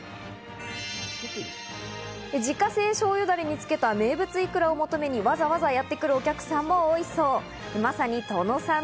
自家製しょうゆにつけた名物イクラを求めに、わざわざやってくるお客さんも多いそう。